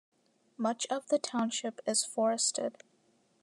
Much of the township is forested.